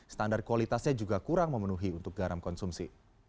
standar kualitasnya juga kurang memenuhi untuk garam konsumsi